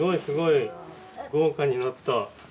豪華になった。